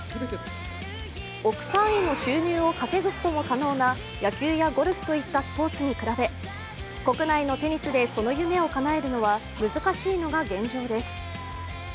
億単位の収入を稼ぐことも可能な野球やゴルフといったスポーツに比べ国内のテニスで、その夢をかなえるのは難しいのが現状です。